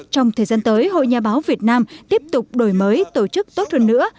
trong thời gian tới hội nhà báo việt nam tiếp tục đổi mới tổ chức tốt hơn nữa